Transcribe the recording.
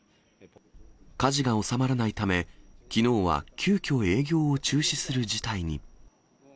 火事が収まらないため、きのうは急きょ営業を中止する事態に。